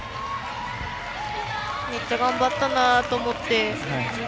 めっちゃ頑張ったなと思って。